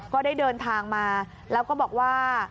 ก็ได้เดินทางมาแล้วก็บอกว่า